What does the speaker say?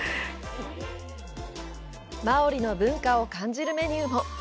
マオリの文化を感じるメニューも。